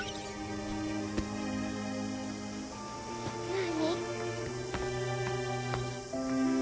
何？